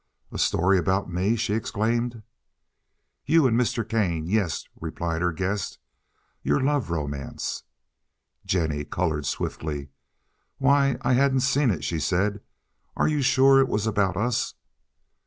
"A story about me?" she exclaimed. "You and Mr. Kane, yes," replied her guest. "Your love romance." Jennie colored swiftly. "Why, I hadn't seen it," she said. "Are you sure it was about us?"